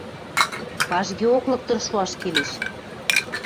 Важгеок лыктын шуаш келеш...